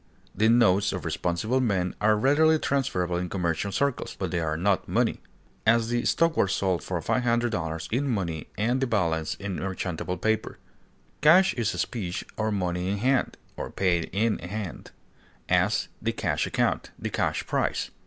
The notes of responsible men are readily transferable in commercial circles, but they are not money; as, the stock was sold for $500 in money and the balance in merchantable paper. Cash is specie or money in hand, or paid in hand; as, the cash account; the cash price.